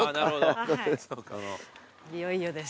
いよいよです。